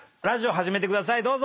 ラジオ始めてください。